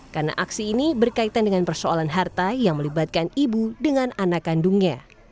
karena aksi ini berkaitan dengan persoalan harta yang melibatkan ibu dengan anak kandungnya